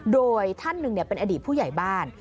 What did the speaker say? โดยท่านหนึ่งเป็นอดีตผู้ใหญ่บ้าน